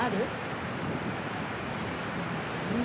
そうねぇ。